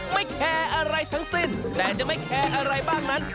ไม่แคร์อะไรทั้งสิ้นแต่จะไม่แคร์อะไรบ้างนั้น